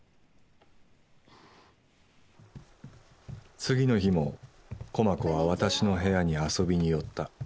次の日も駒子は私の部屋に遊びに寄った。